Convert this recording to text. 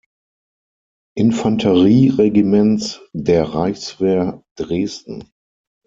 Infanterieregiments der Reichswehr, Dresden.